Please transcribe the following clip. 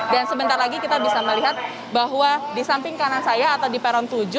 dan sebentar lagi kita bisa melihat bahwa di samping kanan saya atau di peron tujuh